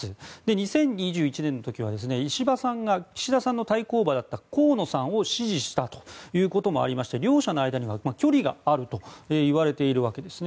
２０２１年の時は石破さんが岸田さんの対抗馬だった河野さんを支持したということもありまして両者の間には距離があるといわれているわけです。